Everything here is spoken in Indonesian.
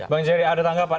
bang jerry ada tanggapan